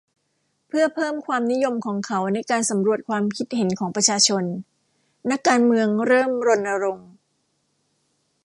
เพื่อเพิ่มความนิยมของเขาในการสำรวจความคิดเห็นของประชาชนนักการเมืองเริ่มรณรงค์